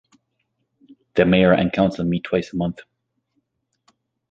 The mayor and council meet twice a month.